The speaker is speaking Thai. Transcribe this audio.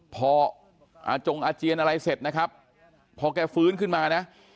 พออาจงอาเจียนอะไรเสร็จนะครับพอแกฟื้นขึ้นมานะ